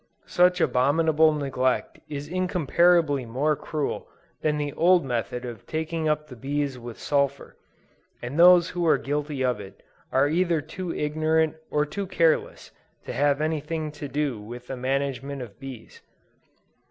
Such abominable neglect is incomparably more cruel than the old method of taking up the bees with sulphur; and those who are guilty of it, are either too ignorant or too careless, to have any thing to do with the management of bees.